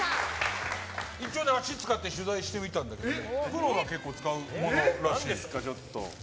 一応、足を使って取材してみたんだけど結構使うものらしい。